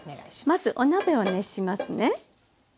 まずお鍋を熱しますね。